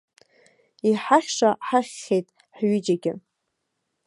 Иҳахьша ҳахьхьеит ҳҩыџьагьы.